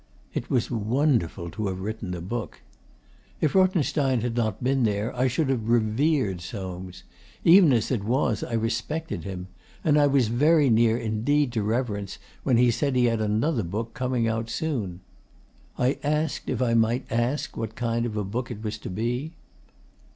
It was wonderful to have written a book. If Rothenstein had not been there, I should have revered Soames. Even as it was, I respected him. And I was very near indeed to reverence when he said he had another book coming out soon. I asked if I might ask what kind of book it was to be.